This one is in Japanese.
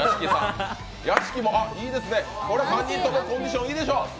屋敷も、いいですね、３人ともコンディションいいでしょう。